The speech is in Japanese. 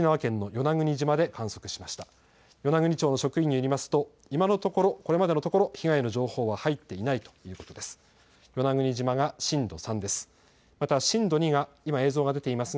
与那国町の職員によりますと今のところ、これまでのところ、被害の情報は入っていないということです。